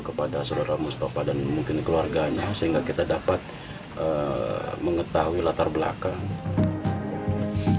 kepada saudara mustafa dan mungkin keluarganya sehingga kita dapat mengetahui latar belakang